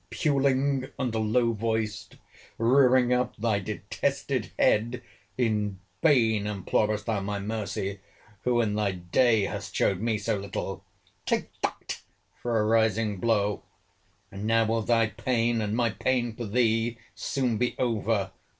Puling and low voiced, rearing up thy detested head, in vain implorest thou my mercy, who, in thy day hast showed me so little!—Take that, for a rising blow!—And now will thy pain, and my pain for thee, soon be over.